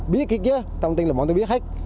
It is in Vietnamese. biết kia kia thông tin là bọn tôi biết hết